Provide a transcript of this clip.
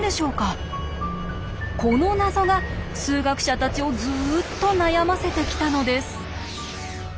この謎が数学者たちをずっと悩ませてきたのです。